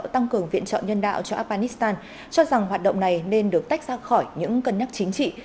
tăng cường viện chọn nhân đạo cho afghanistan cho rằng hoạt động này nên được tách ra khỏi những cân nhắc chính trị